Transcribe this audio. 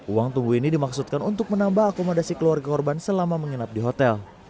uang tunggu ini dimaksudkan untuk menambah akomodasi keluarga korban selama menginap di hotel